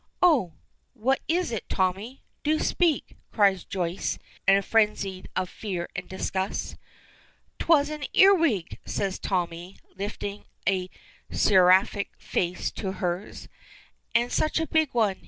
"Oh! What was it, Tommy? Do speak!" cries Joyce, in a frenzy of fear and disgust. "'Twas an earwig!" says Tommy, lifting a seraphic face to hers. "And such a big one!